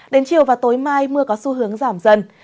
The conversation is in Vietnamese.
đến chiều và tối mai mưa có xu hướng giảm dần